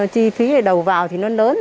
chi phí đầu vào thì nó lớn